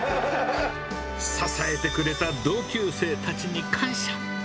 支えてくれた同級生たちに感謝。